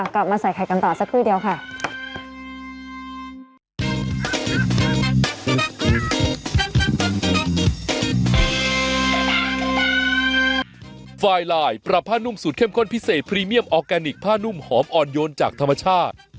กลับมาใส่ไข่กันต่อสักครู่เดียวค่ะ